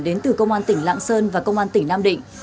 đến từ công an tỉnh lạng sơn và công an tỉnh nam định